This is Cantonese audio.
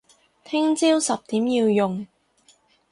聽朝十點要用